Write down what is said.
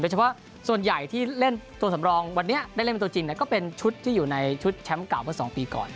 เฉพาะส่วนใหญ่ที่เล่นตัวสำรองวันนี้ได้เล่นเป็นตัวจริงก็เป็นชุดที่อยู่ในชุดแชมป์เก่าเมื่อ๒ปีก่อน